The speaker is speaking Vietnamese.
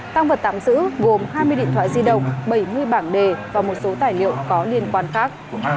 tăng vật tạm giữ gồm hai mươi điện thoại di động bảy mươi bảng đề và một số tài liệu có liên quan khác